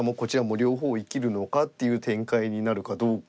両方を生きるのかっていう展開になるかどうか。